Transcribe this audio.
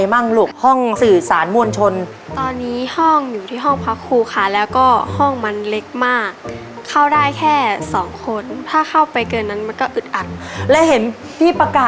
ไม่ได้หลับค่ะ